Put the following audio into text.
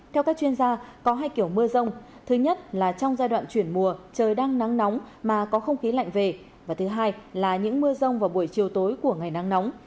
theo các chuyên gia có hai kiểu mưa rông thứ nhất là trong giai đoạn chuyển mùa trời đang nắng nóng mà có không khí lạnh về và thứ hai là những mưa rông vào buổi chiều tối của ngày nắng nóng